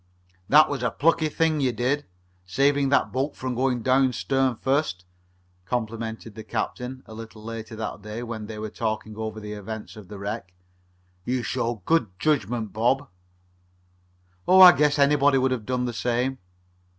"That was a plucky thing you did, saving that boat from going down stern first," complimented the captain, a little later that day when they were talking over the events of the wreck. "You showed good judgment, Bob." "Oh, I guess anybody would have done the same."